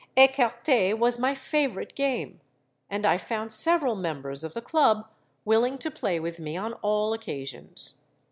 Écarté was my favourite game; and I found several members of the Club willing to play with me on all occasions.